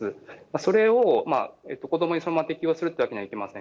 それを子どもにそのまま適用するってわけにはいきません。